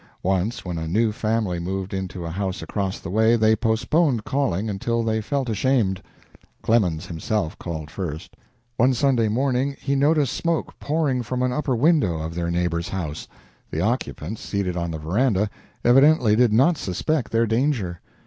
Once when a new family moved into a house across the way they postponed calling until they felt ashamed. Clemens himself called first. One Sunday morning he noticed smoke pouring from an upper window of their neighbor's house. The occupants, seated on the veranda, evidently did not suspect their danger.